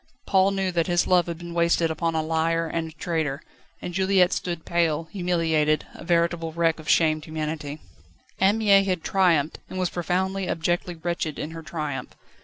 Paul knew that his love had been wasted upon a liar and a traitor, and Juliette stood pale, humiliated, a veritable wreck of shamed humanity. Anne Mie had triumphed, and was profoundly, abjectly wretched in her triumph.